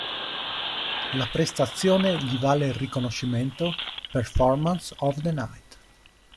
La prestazione gli vale il riconoscimento "Performance of the Night".